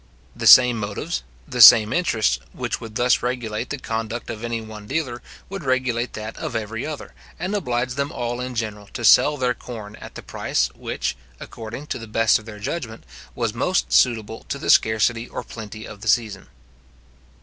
The same motives, the same interests, which would thus regulate the conduct of any one dealer, would regulate that of every other, and oblige them all in general to sell their corn at the price which, according to the best of their judgment, was most suitable to the scarcity or plenty of the season.